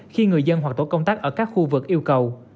khi người dân hoặc tổ công tác ở các khu vực yêu cầu